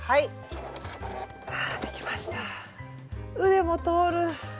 腕も通る。